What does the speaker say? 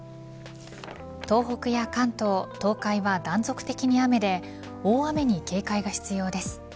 東北や関東、東海は断続的に雨で大雨に警戒が必要です。